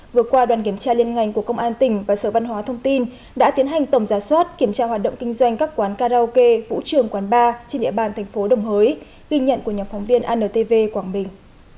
vừa qua đoàn kiểm tra liên ngành của công an tỉnh và sở văn hóa thông tin đã tiến hành tổng giá soát kiểm tra hoạt động kinh doanh các quán karaoke vũ trường quán bar trên địa bàn thành phố đồng hới ghi nhận của nhóm phóng viên antv quảng bình